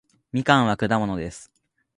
みかんは果物です